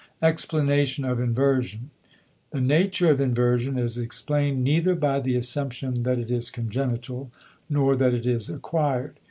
*Explanation of Inversion.* The nature of inversion is explained neither by the assumption that it is congenital nor that it is acquired.